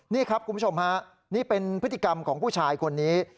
นี่ครับคุณผู้ชมฮะนี่เป็นพฤติกรรมของผู้ชายคนนี้